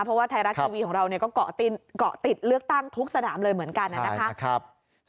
เพราะว่าไทยรัฐทีวีของเราก็เกาะติดเลือกตั้งทุกสนามเลยเหมือนกันนะครับ